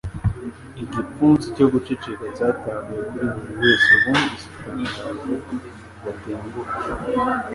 Igipfunsi cyo guceceka cyaguye kuri buri wese bumvise itangazo ridatenguha